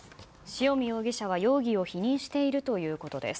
塩見容疑者は容疑を否認しているということです。